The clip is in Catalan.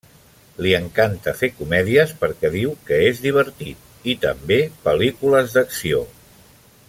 Li encanta fer comèdies perquè diu que és divertit, i també pel·lícules d’acció.